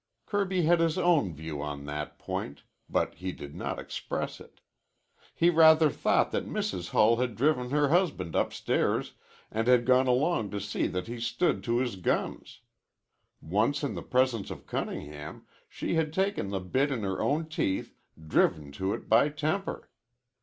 Kirby had his own view on that point, but he did not express it. He rather thought that Mrs. Hull had driven her husband upstairs and had gone along to see that he stood to his guns. Once in the presence of Cunningham, she had taken the bit in her own teeth, driven to it by temper.